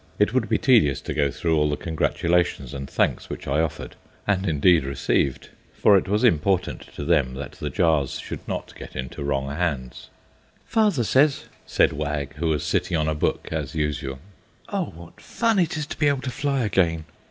It would be tedious to go through all the congratulations and thanks which I offered, and indeed received, for it was important to them that the Jars should not get into wrong hands. "Father says," said Wag, who was sitting on a book, as usual "Oh, what fun it is to be able to fly again!"